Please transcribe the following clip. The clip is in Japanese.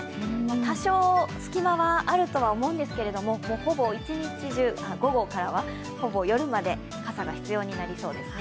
多少、隙間はあると思うんですけども、ほぼ一日中、午後からは夜まで、傘が必要になりそうですね。